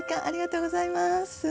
ありがとうございます。